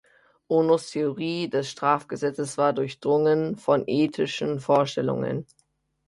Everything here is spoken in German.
Onos Theorie des Strafgesetzes war durchdrungen von ethischen Vorstellungen.